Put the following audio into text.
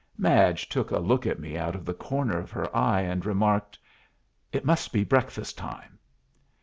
Madge took a look at me out of the corner of her eye, and remarked, "It must be breakfast time."